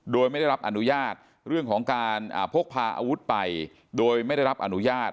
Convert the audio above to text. โดยไม่ได้รับอนุญาตเรื่องของการพกพาอาวุธไปโดยไม่ได้รับอนุญาต